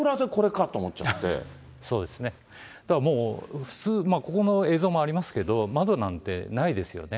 そうですね、普通、ここの映像もありますけど、窓なんてないですよね。